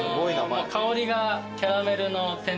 香りがキャラメルの天然の香りを。